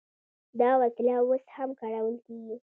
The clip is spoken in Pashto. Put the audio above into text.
دا وسله اوس هم کارول کیږي.